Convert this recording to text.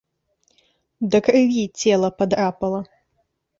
Да крыві цела падрапала.